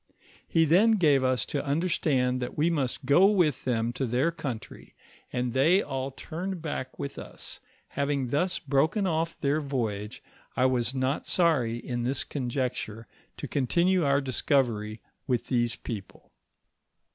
He then gave us to understand that we must go with them to their country, and they all turned back with us; having thus broken off their voyage, I was not sorry in this conjuncture to continue our discovery with these people.